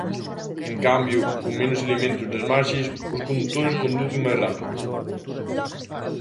En cambio, con menos elementos nas marxes os condutores conducen máis rápido.